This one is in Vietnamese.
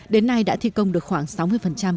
đến nay đã thi công được khoảng sáu mươi